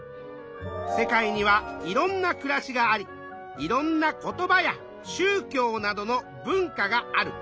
世界にはいろんなくらしがありいろんな言葉やしゅう教などの文化がある。